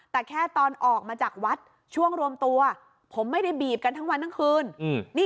แต่แค่ตอนออกมาจากวัดช่วงรวมตัวผมไม่ได้บีบกันทั้งวันทั้งคืน